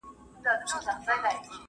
يوه ورځ چي گيند را خوشي سو ميدان ته